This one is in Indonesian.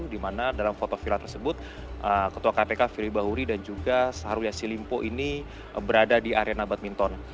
di mana dalam foto viral tersebut ketua kpk firl bahuri dan juga syahrul yassin limpo ini berada di arena badminton